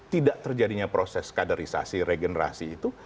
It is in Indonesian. tidak terjadinya proses kaderisasi regenerasi itu